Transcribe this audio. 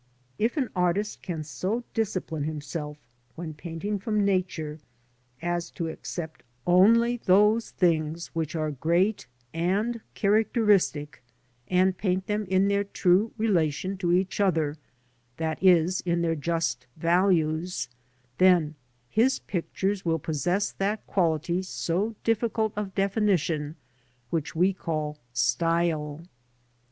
If an artist can so discipline himself when painting from Nature as to accept only those things which are great and N 90 LANDSCAPE PAINTING IN OIL COLOUR. characteristic, and paint them in their true relation to each other, i.e. in their just values, then his pictures will possess that quality so difficult of definition which we call " style."